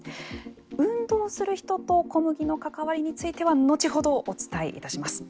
運動する人と小麦の関わりについては後ほどお伝えいたします。